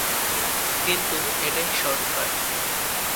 কিন্তু এটাই শর্টকাট।